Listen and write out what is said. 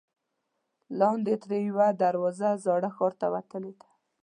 لاندې ترې یوه دروازه زاړه ښار ته وتلې ده.